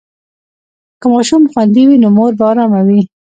که ماشوم خوندي وي، نو مور به ارامه وي.